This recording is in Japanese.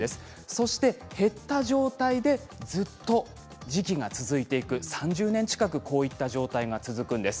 そして減った状態でずっと時期が続いていく３０年近くこういった状態が続くんです。